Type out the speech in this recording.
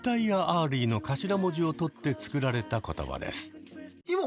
アーリーの頭文字を取って作られた言葉です。